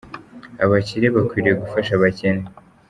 Abakire bakwiriye gufasha abakene.